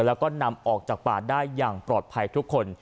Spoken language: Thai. แล้วก็นำออกจากป่าได้อย่างปลอดภัยทุกคน